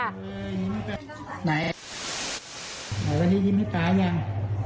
นายนายวันนี้ยิ้มให้ป๊ายัง